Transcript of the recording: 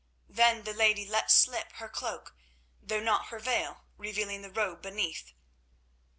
Then the lady let slip her cloak, though not her veil revealing the robe beneath.